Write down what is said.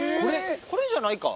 これじゃないか。